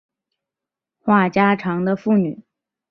话家常的妇女